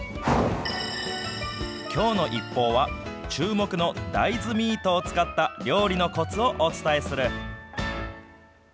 きょうのＩＰＰＯＵは、注目の大豆ミートを使った料理のこつをお伝えする。